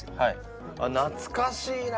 あっ懐かしいな。